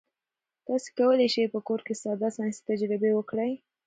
تاسي کولای شئ په کور کې ساده ساینسي تجربې وکړئ.